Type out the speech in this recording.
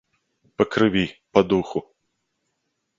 Па крыві, па духу.